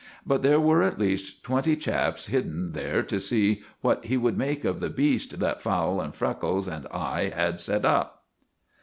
But there were at least twenty chaps hidden there to see what he would make of the beast that Fowle and Freckles and I had set up.